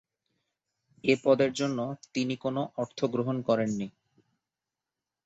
এ পদের জন্যে তিনি কোন অর্থ গ্রহণ করেননি।